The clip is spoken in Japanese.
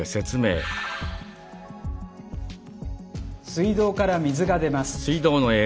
水道から水が出ます。